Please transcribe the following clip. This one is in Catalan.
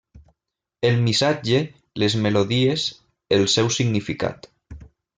El missatge, les melodies, el seu significat.